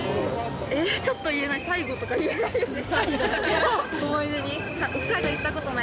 えっちょっと言えない最後とか言えないよね。